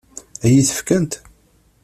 Ad iyi-t-fkent?